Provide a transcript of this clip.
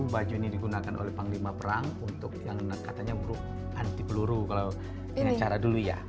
baju ini digunakan oleh panglima perang untuk yang katanya anti peluru kalau dengan cara dulu ya